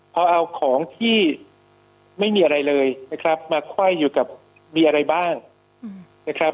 พอเอาของที่ไม่มีอะไรเลยนะครับมาไขว้อยู่กับมีอะไรบ้างนะครับ